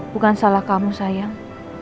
bukan salah kamu sayang